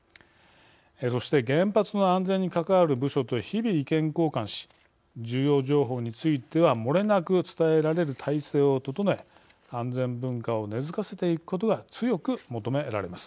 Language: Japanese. そして原発の安全に関わる部署と日々意見交換し重要情報については漏れなく伝えられる体制を整え安全文化を根付かせていくことが強く求められます。